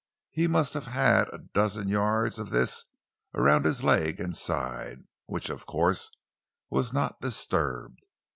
He must have had a dozen yards of this around his leg and side, which of course was not disturbed.